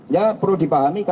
ya perlu dipahami